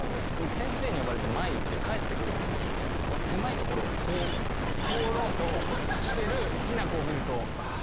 先生に呼ばれて前行って帰ってくるときに狭い所をこう通ろうとしてる好きな子を見ると。